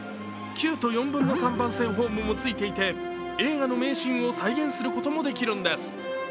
９と３／４番線ホームもついていて、映画の名シーンを再現することもできるんです。